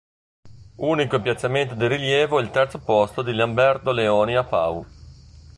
Unico piazzamento di rilievo il terzo posto di Lamberto Leoni a Pau.